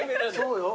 そうよ。